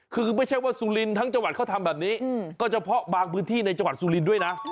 คือไม่ใช่ว่าสุรินทร์ทั้งจังหวัดเขาทำแบบนี้ก็เฉพาะบางพื้นที่ในจังหวัดสุรินทร์ด้วยนะ